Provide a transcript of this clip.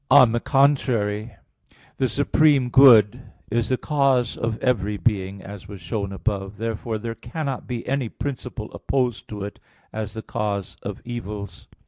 On the contrary, The supreme good is the cause of every being, as was shown above (Q. 2, A. 3; Q. 6, A. 4). Therefore there cannot be any principle opposed to it as the cause of evils.